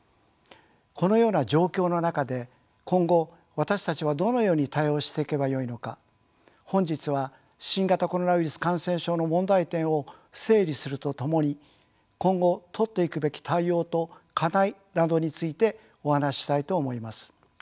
このような状況の中で今後私たちはどのように対応していけばよいのか本日は新型コロナウイルス感染症の問題点を整理するとともに今後取っていくべき対応と課題などについてお話ししたいと思います。